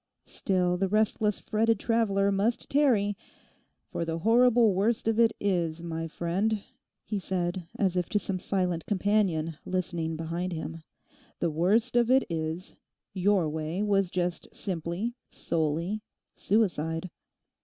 —still the restless fretted traveller must tarry; 'for the horrible worst of it is, my friend,' he said, as if to some silent companion listening behind him, 'the worst of it is, your way was just simply, solely suicide.